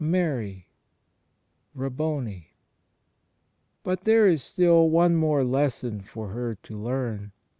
"Mary!" "Rabboni!" But there is still one more lesson for her to learn.